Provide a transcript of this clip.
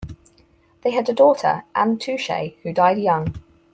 They had a daughter, Anne Touchet, who died young.